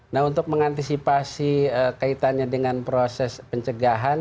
nah untuk mengantisipasi kaitannya dengan proses pencegahan